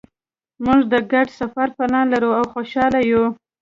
مونږ د ګډ سفر پلان لرو او خوشحاله یو